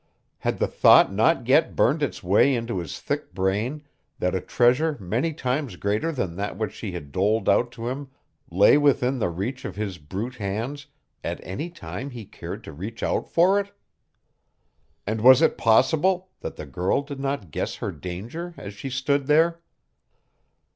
Had the thought not yet burned its way into his thick brain that a treasure many times greater than, that which she had doled out to him lay within the reach of his brute hands at any time he cared to reach out for it? And was it possible that the girl did not guess her danger as she stood there?